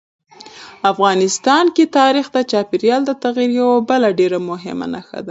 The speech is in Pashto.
افغانستان کې تاریخ د چاپېریال د تغیر یوه بله ډېره مهمه نښه ده.